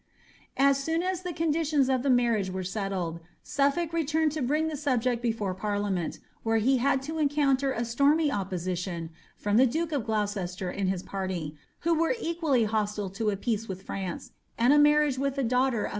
Ab soon as the conditions of the marriage were settled, Suflblk re tnmed to bring the subject before parliament, where he had to encounter i stormy opposition from the duke of Gloucester and his party, who were equally hostile to a peace with France, and a marriage with a * Gathrie.